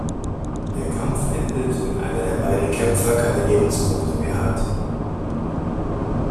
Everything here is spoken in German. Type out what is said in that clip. Der Kampf endet, wenn einer der beiden Kämpfer keine Lebenspunkte mehr hat.